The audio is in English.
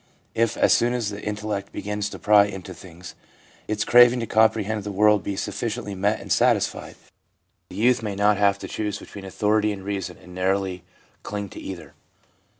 If, as soon as the intellect begins to pry into things, its craving to comprehend the world be suffici ently met and satisfied, the youth may not have to 418 THE PSYCHOLOGY OF RELIGION choose between authority and reason and narrowly cling to either.